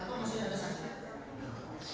atau masih ada saksi